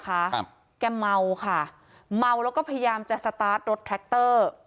ครับแกเมาค่ะเมาแล้วก็พยายามจะสตาร์ทรถแทรคเตอร์